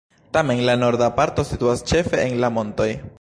Tamen la norda parto situas ĉefe en la montoj.